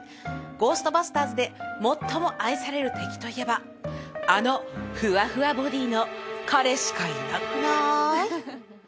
「ゴーストバスターズ」で最も愛される敵といえばあのふわふわボディーの彼しかいなくない？